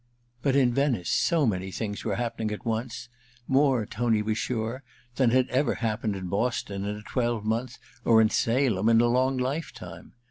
But in Venice so many things were happening at once — ^more, Tony was sure, than had ever happened in Boston in a twelvemonth or in Salem in a long life time.